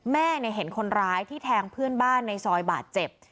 เห็นคนร้ายที่แทงเพื่อนบ้านในซอยบาดเจ็บ